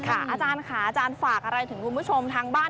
อาจารย์ค่ะอาจารย์ฝากอะไรถึงคุณผู้ชมทางบ้าน